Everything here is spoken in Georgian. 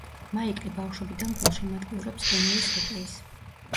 მაიკლი ბავშვობიდან გულშემატკივრობს ყინულის ჰოკეის.